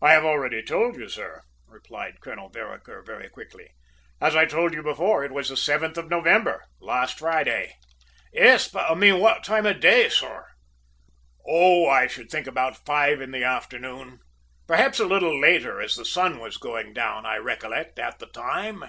"I have already told you, sir," replied Colonel Vereker very quickly. "As I told you before, it was the seventh of November last Friday." "Yes; but I mean what time of the day, sir?" "Oh, I should think about five o'clock in the afternoon. Perhaps a little later, as the sun was going down, I recollect, at the time."